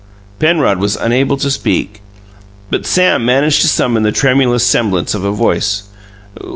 Penrod was unable to speak, but Sam managed to summon the tremulous semblance of a voice.